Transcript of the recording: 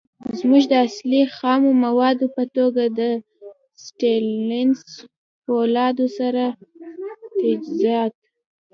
زمونږ د اصلی. خامو موادو په توګه د ستينليس فولادو سره تجهیزات